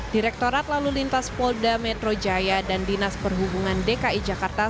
direktorat lalu lintas polda metro jaya dan dinas perhubungan dki jakarta